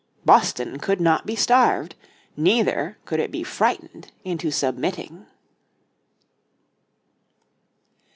Boston could not be starved, neither could it be frightened into submitting.